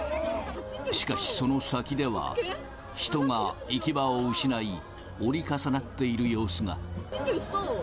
しかしその先では、人が行き場を失い、折り重なっている様子が。